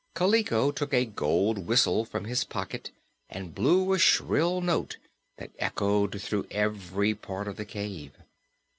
Kaliko took a gold whistle from his pocket and blew a shrill note that echoed through every part of the cave.